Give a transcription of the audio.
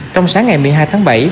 trong sáng ngày một mươi hai tháng bảy